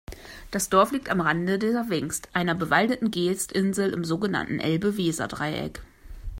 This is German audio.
Das Dorf liegt am Rande der Wingst, einer bewaldeten Geestinsel im so genannten Elbe-Weser-Dreieck.